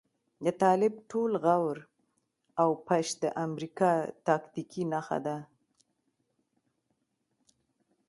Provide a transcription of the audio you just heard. د طالب ټول غور او پش د امريکا تاکتيکي نښه ده.